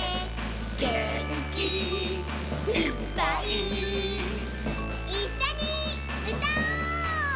「げんきいっぱい」「いっしょにうたおう！」